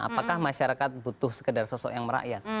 apakah masyarakat butuh sekedar sosok yang merakyat